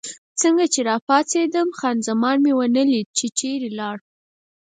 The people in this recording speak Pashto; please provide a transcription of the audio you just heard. څنګه چې راپاڅېدم، خان زمان مې ونه لیدله، چې چېرې ولاړه.